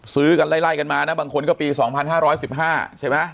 ซื้อกันไล่ไล่กันมานะบางคนก็ปีสองพันห้าร้อยสิบห้าใช่ไหม